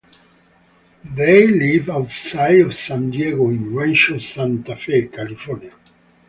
They live outside of San Diego in Rancho Santa Fe, California.